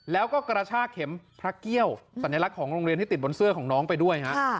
แล้วก็กระชากเข็มพระเกี้ยวสัญลักษณ์ของโรงเรียนที่ติดบนเสื้อของน้องไปด้วยฮะ